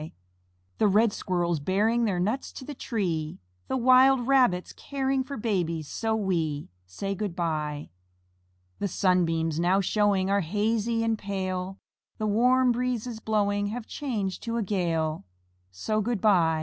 The red Squirrels bearing Their nuts to the tree, The wild Rabbits caring For babies so wee, Say, "Good by." The sunbeams now showing Are hazy and pale, The warm breezes blowing Have changed to a gale, So, "Good by."